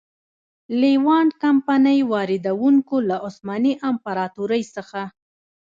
لېوانټ کمپنۍ واردوونکو له عثماني امپراتورۍ څخه.